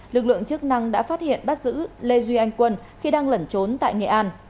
lực lượng chức năng đã phát hiện bắt giữ lê duy anh quân khi đang lẩn trốn tại nghệ an